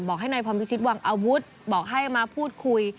ให้นายพรพิชิตวางอาวุธบอกให้มาพูดคุย